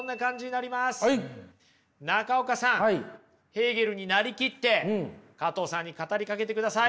ヘーゲルに成りきって加藤さんに語りかけてください。